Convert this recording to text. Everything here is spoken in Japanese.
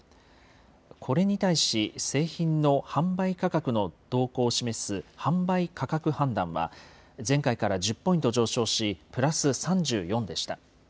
これに対し、製品の販売価格の動向を示す販売価格判断は、前回から１０ポイント上昇し、プラス３４でした。